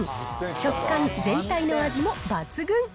食感、全体の味も抜群。